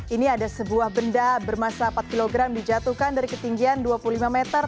ini ada sebuah benda bermasa empat kg dijatuhkan dari ketinggian dua puluh lima meter